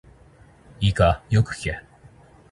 いいか、よく聞け。